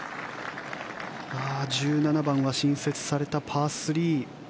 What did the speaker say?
１７番は新設されたパー３。